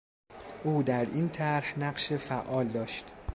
او در این طرح نقش فعال داشت.